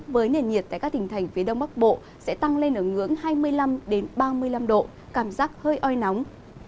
với nền nhiệt tại các tỉnh thành phía đông bắc bộ sẽ tăng lên ở ngưỡng hai mươi năm ba mươi năm độ cảm giác hơi oi nóng